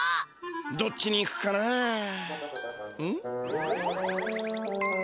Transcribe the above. どっちに行くかなん？